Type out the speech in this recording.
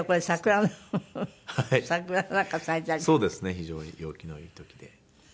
非常に陽気のいい時で。